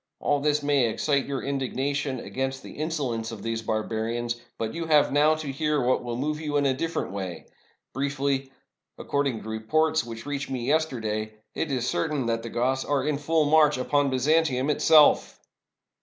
All this may excite your indigna tion against the insolence of these barbarians; but you have now to hear what will move you in a different way. Briefly, according to reports which reached me yester day, it is certain that the Goths are in full march upon Byzantium itself!"